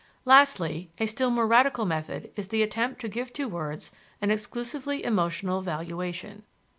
Lastly, a still more radical method is the attempt to give to words an exclusively emotional valuation.